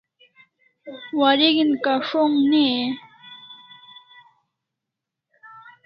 Wareg'in kas'ong ne e?